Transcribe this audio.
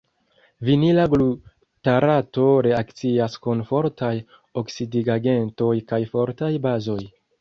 Vinila glutarato reakcias kun fortaj oksidigagentoj kaj fortaj bazoj.